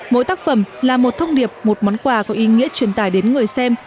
mỗi tác phẩm là một thông điệp một món quà có ý nghĩa truyền tải đến người xem